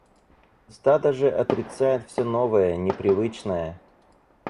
Стадо же отрицает все новое, непривычное.